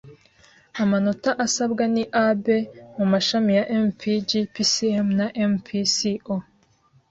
amanota asabwa ni a-b mu mashami ya mpg, pcm na mpco